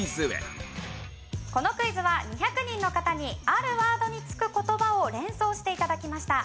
このクイズは２００人の方にあるワードにつく言葉を連想して頂きました。